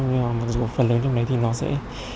nhưng mà một phần lớn trong đấy thì nó sẽ